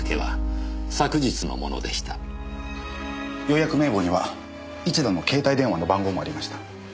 予約名簿には市田の携帯電話の番号もありました。